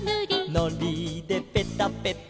「のりでペタペタ」